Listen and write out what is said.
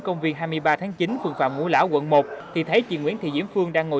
công viên hai mươi ba tháng chín phường phạm ngũ lão quận một thì thấy chị nguyễn thị diễm phương đang ngồi